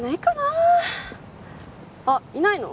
ああっいないの？